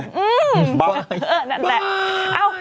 อื้มเออนั่นแหละอ่ะเอ้า